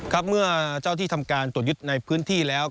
ครับเมื่อเจ้าที่ทำการตรวจยึดในพื้นที่แล้ว